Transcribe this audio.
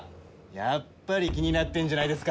やっぱり気になってんじゃないですか